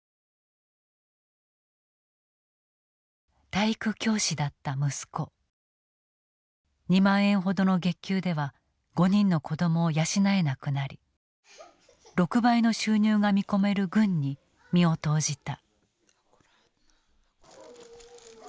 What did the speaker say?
体育教師だった息子２万円ほどの月給では５人の子供を養えなくなり６倍の収入が見込める軍に身を投じた。